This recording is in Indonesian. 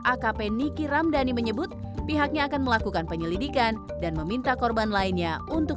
akp niki ramdhani menyebut pihaknya akan melakukan penyelidikan dan meminta korban lainnya untuk